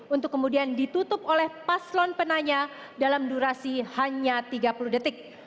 untuk kemudian ditutup oleh paslon penanya dalam durasi hanya tiga puluh detik